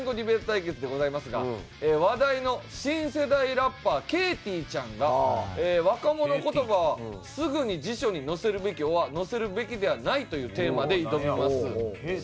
対決でございますが話題の新世代ラッパー＃ＫＴちゃんが「若者言葉はすぐに辞書に載せるべきｏｒ載せるべきではない」というテーマで挑みます。